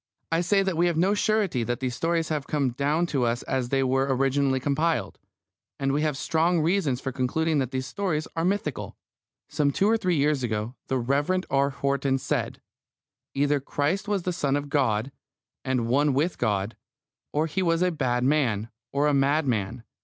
I say that we have no surety that these stories have come down to us as they were originally compiled, and we have strong reasons for concluding that these stories are mythical. Some two or three years ago the Rev. R. Horton said: "Either Christ was the Son of God, and one with God, or He was a bad man, or a madman.